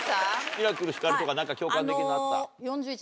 ミラクルひかるとか何か共感できるのあった？